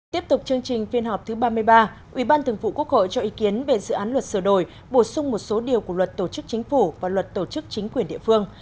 tiếp tục chương trình phiên họp thứ ba mươi ba ubnd cho ý kiến về dự án luật sửa đổi bổ sung một số điều của luật tổ chức chính phủ và luật tổ chức chính quyền địa phương